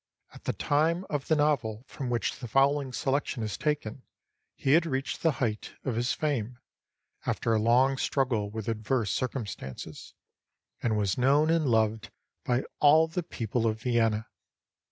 At the time of the novel from which the following selection is taken he had reached the height of his fame after a long strug gle with adverse circumstances, and was known and loved by all the people of Vienna.